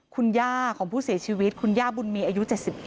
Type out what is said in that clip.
คุณย่าของผู้เสียชีวิตคุณย่าบุญมีอายุ๗๑